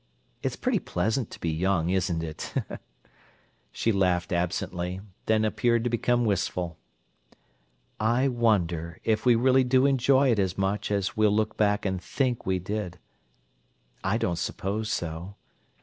It is pretty pleasant to be young, isn't it?" She laughed absently, then appeared to become wistful. "I wonder if we really do enjoy it as much as we'll look back and think we did! I don't suppose so.